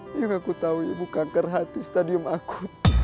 hingga aku tau ibu kanker hati stadium aku